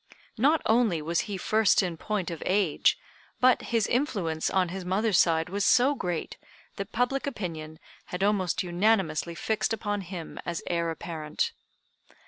Not only was he first in point of age, but his influence on his mother's side was so great that public opinion had almost unanimously fixed upon him as heir apparent.